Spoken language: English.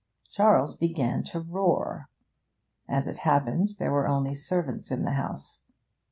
Charles began to roar. As it happened, there were only servants in the house.